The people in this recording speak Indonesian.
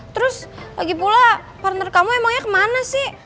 terus lagi pula partner kamu emangnya kemana sih